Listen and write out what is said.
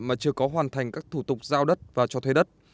mà chưa có hoàn thành các thủ tục giao đất và cho thuê đất